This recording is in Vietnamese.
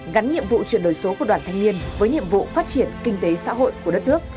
gắn nhiệm vụ chuyển đổi số của đoàn thanh niên với nhiệm vụ phát triển kinh tế xã hội của đất nước